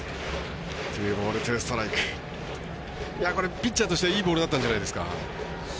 ピッチャーとしてはいいボールだったんじゃないですか。